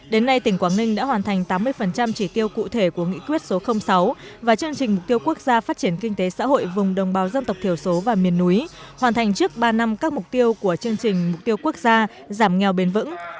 đến nay tỉnh quảng ninh đã hoàn thành tám mươi chỉ tiêu cụ thể của nghị quyết số sáu và chương trình mục tiêu quốc gia phát triển kinh tế xã hội vùng đồng bào dân tộc thiểu số và miền núi hoàn thành trước ba năm các mục tiêu của chương trình mục tiêu quốc gia giảm nghèo bền vững